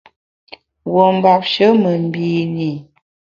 Wuo mbapshe me mbine i.